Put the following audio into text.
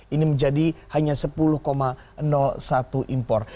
ini menjadi hanya sepuluh satu impor